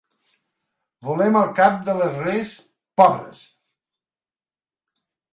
Volem el cap de les rees, pobres.